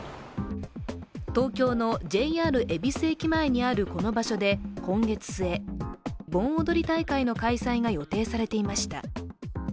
東京のＪＲ恵比寿駅前にあるこの場所で今月末、盆踊り大会の開催が予定されていました。